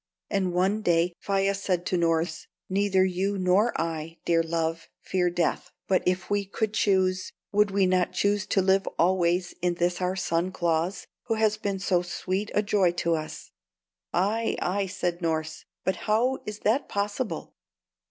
And one day Faia said to Norss: "Neither you nor I, dear love, fear death; but if we could choose, would we not choose to live always in this our son Claus, who has been so sweet a joy to us?" "Ay, ay," said Norss; "but how is that possible?"